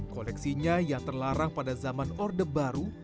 koleksinya yang terlarang pada zaman orde baru